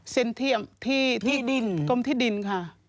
เซ็นที่กลมที่ดินค่ะ